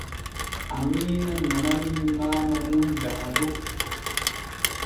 Amiina nananii Maama mum Dado.